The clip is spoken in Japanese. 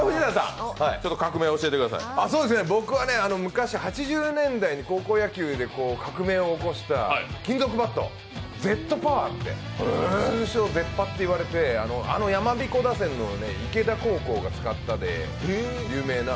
僕は昔、８０年代に高校野球で革命を起こした金属バット、ゼットパワー通称ゼッパっていわれててあのやまびこ打線の池田高校が使ったので有名な。